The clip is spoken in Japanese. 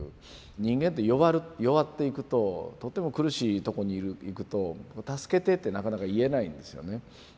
人間って弱っていくととても苦しいとこにいくと助けてってなかなか言えないんですよね。